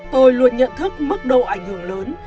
tôi luôn nhận thức mức độ ảnh hưởng lớn